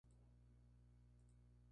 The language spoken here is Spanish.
Los exámenes de control son suficientes.